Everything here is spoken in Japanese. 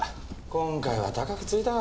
今回は高くついたぁ。